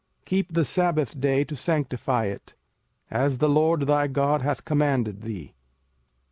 05:005:012 Keep the sabbath day to sanctify it, as the LORD thy God hath commanded thee.